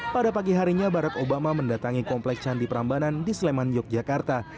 pada pagi harinya barack obama mendatangi kompleks candi prambanan di sleman yogyakarta